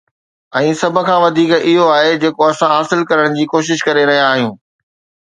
۽ سڀ کان وڌيڪ، اهو آهي جيڪو اسان حاصل ڪرڻ جي ڪوشش ڪري رهيا آهيون